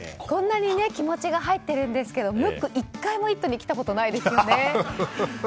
こんなに気持ちが入ってるんですけどムック１回も「イット！」に来たことないですよね。